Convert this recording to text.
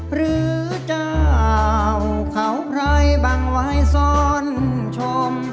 หรือเจ้าเขาไพรบังไว้ซ่อนชม